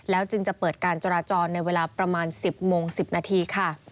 จึงจะเปิดการจราจรในเวลาประมาณ๑๐โมง๑๐นาทีค่ะ